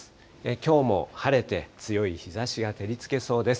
きょうも晴れて強い日ざしが照りつけそうです。